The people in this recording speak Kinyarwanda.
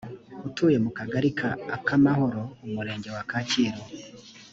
utuye mu kagari ka akamahoro umurenge wa kacyiru